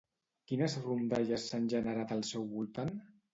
Quines rondalles s'han generat al seu voltant?